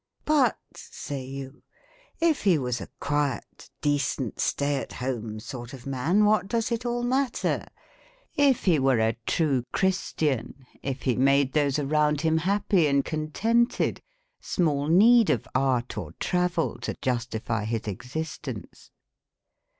" But," say you, " if he was a quiet, decent, stay at home sort of man, what does it all matter? If he were a true Christian, if he made those around him happy and contented, small need of art or travel to justify his existence!